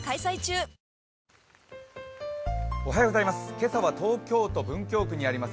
今朝は東京都文京区にあります